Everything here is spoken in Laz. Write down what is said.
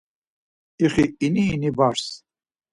İxi ini ini bars.